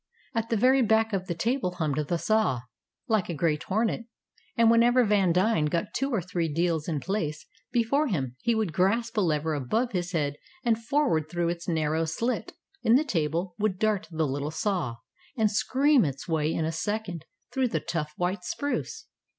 At the very back of the table hummed the saw, like a great hornet; and whenever Vandine got two or three deals in place before him he would grasp a lever above his head, and forward through its narrow slit in the table would dart the little saw, and scream its way in a second through the tough white spruce.